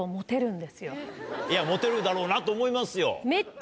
モテるだろうなと思いますよ。